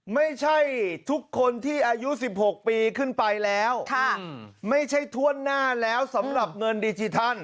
ไม่ใช่ทุกคนที่อายุ๑๖ปีขึ้นไปแล้วไม่ใช่ถ้วนหน้าแล้วสำหรับเงินดิจิทัล